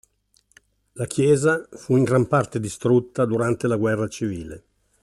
La chiesa fu in gran parte distrutta durante la guerra civile.